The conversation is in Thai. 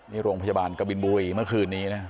นี่โรงพยาบาลกบินบุรีเมื่อคืนนี้นะ